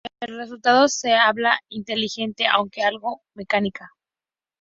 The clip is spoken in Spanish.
El resultado es habla inteligible, aunque algo mecánica.